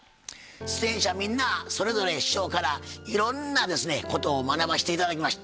出演者みんなそれぞれ師匠からいろんなですねことを学ばして頂きました。